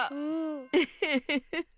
ウフフフフ。